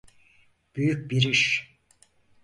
Büyük bir iş.